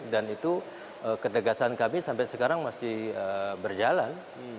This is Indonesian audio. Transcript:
dan itu ketegasan kami sampai sekarang masih berjalan